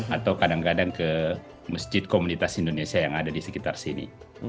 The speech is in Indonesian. atau kadang kadang ke masjid komunitas indonesia yang ada di sekitar sini